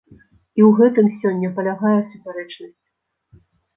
І ў гэтым сёння палягае супярэчнасць.